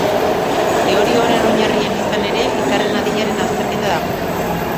Teoria honen oinarrian izan ere, izarren adinaren azterketa dago.